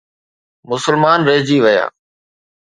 مسلمان رهجي ويا.